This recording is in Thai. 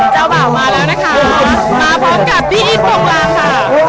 เจ้าบ่าวมาแล้วนะคะมาพร้อมกับพี่อีทโปรงลางค่ะ